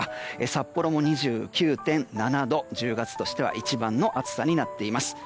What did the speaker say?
札幌も２９．７度１０月としては一番の暑さになっています。